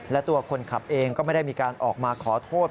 และตัวคนขับเองก็ไม่ได้มีการออกมาขอโทษ